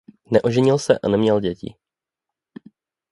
Neoženil se a neměl děti.